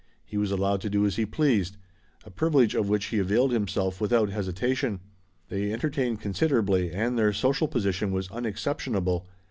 He was allowed to do as he pleased; a privilege of which he availed himself without hesitation. They entertained considerably and their social position was unexceptionable.